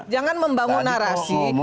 jangan membangun narasi